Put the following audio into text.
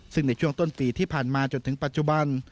ซึ่งในช่วงต้นปีที่ผ่านมาจนถึงปัจจุบัน